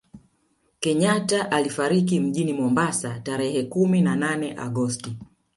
kenyatta alifariki mjini Mombasa tarehe kumi na nane agosti